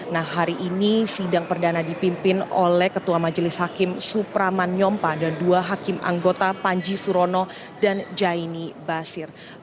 nah hari ini sidang perdana dipimpin oleh ketua majelis hakim supraman nyompa dan dua hakim anggota panji surono dan jaini basir